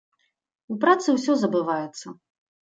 У працы ўсё забываецца.